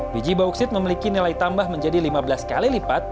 biji bauksit memiliki nilai tambah menjadi lima belas kali lipat